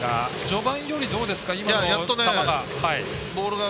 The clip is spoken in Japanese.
序盤よりどうですか、今の球は。